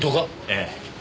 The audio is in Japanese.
ええ。